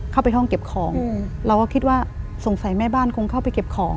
เข้าไปห้องเก็บของเราก็คิดว่าสงสัยแม่บ้านคงเข้าไปเก็บของ